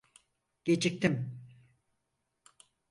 Geciktim.